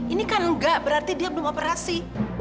ini kan enggak berarti dia belum operasi